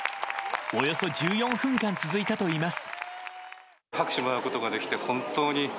およそ１４分間続いたといいます。